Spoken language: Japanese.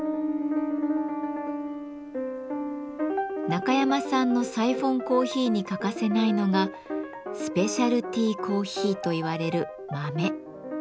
中山さんのサイフォンコーヒーに欠かせないのが「スペシャルティコーヒー」といわれる豆。